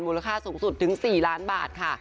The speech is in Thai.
ค่าสูงสุดถึง๔ล้านบาทค่ะ